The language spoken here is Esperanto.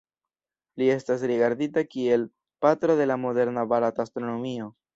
Li estas rigardita kiel "Patro de la moderna barata astronomio".